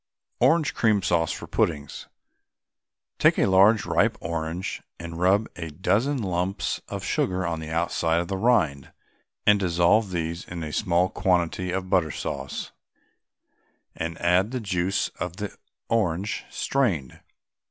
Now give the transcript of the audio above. ORANGE CREAM SAUCE FOR PUDDINGS. Take a large ripe orange and rub a dozen lumps of sugar on the outside of the rind and dissolve these in a small quantity of butter sauce, and add the juice of the orange, strained.